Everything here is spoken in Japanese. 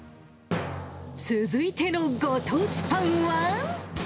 続いてのご当地パンは。